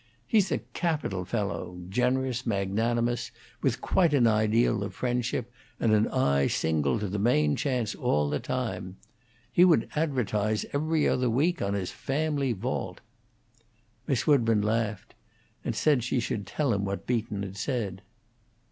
"He's a capital fellow; generous, magnanimous, with quite an ideal of friendship and an eye single to the main chance all the time. He would advertise 'Every Other Week' on his family vault." Miss Woodburn laughed, and said she should tell him what Beaton had said.